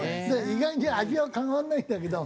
意外に味は変わんないんだけど。